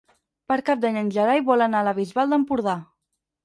Per Cap d'Any en Gerai vol anar a la Bisbal d'Empordà.